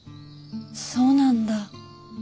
そうなんだ。